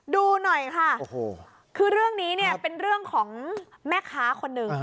ดูหน่อยค่ะคือเรื่องนี้เนี่ยเป็นเรื่องของแม่ค้าคนหนึ่ง